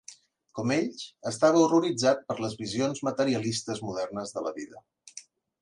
Com ells, estava horroritzat per les visions materialistes modernes de la vida.